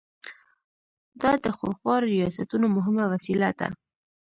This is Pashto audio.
دا د خونخوارو ریاستونو مهمه وسیله ده.